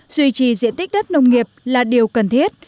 duy trì diện tích đất nông nghiệp là điều cần thiết